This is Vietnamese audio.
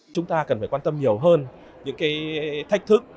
chúng ta cần phải quan tâm nhiều hơn những cái thách thức